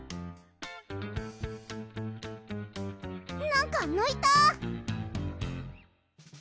なんかぬいた！